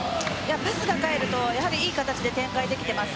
トスが入ると、いい形で展開できています